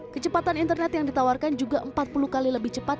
kecepatan internet yang ditawarkan juga empat puluh kali lebih cepat